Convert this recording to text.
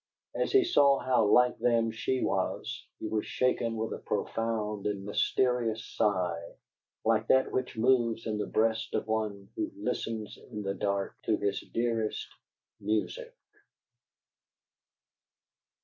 As he saw how like them she was, he was shaken with a profound and mysterious sigh, like that which moves in the breast of one who listens in the dark to his dearest music.